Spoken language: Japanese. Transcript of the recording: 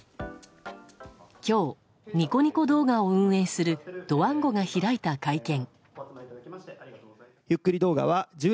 今日、ニコニコ動画を運営するドワンゴが開いた会見。